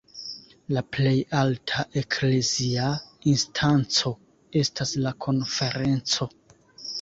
La plej alta eklezia instanco estas la Konferenco.